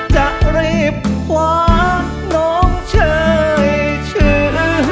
จะรีบขวาน้องเชยชื่อ